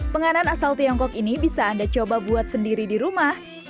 penganan asal tiongkok ini bisa anda coba buat sendiri di rumah